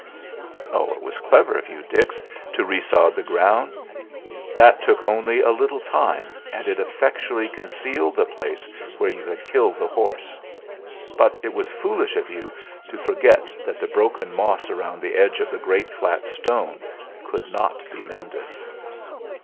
"It was clever of you, Dix, to resod the ground; that took only a little time and it effectually concealed the place where you had killed the horse; but it was foolish of you to forget that the broken moss around the edges of the great flat stone could not be mended."